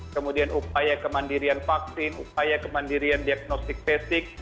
kemudian upaya kemandirian vaksin upaya kemandirian diagnostik basic